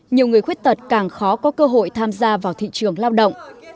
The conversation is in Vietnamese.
nhiều người khuyết tật càng khó có cơ hội tham gia vào thị trường lao động